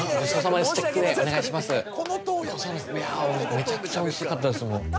めちゃくちゃおいしかったです